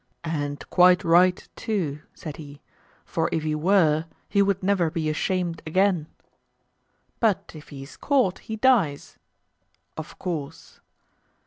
And quite right too, said he, for if he were, he would never be ashamed again. But if he is caught he dies. Of course.